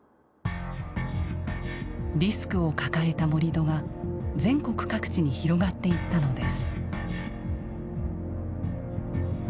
リスクを抱えた盛土が全国各地に広がっていったのです。